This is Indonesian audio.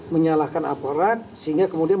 menyalahkan aparat sehingga kemudian